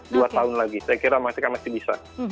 dua tahun lagi saya kira masih bisa